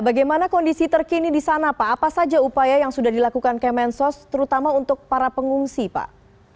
bagaimana kondisi terkini di sana pak apa saja upaya yang sudah dilakukan kemensos terutama untuk para pengungsi pak